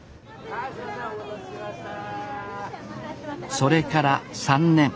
それから３年。